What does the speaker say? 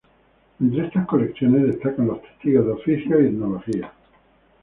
Entre estas colecciones destacan los testigos de oficios y etnología.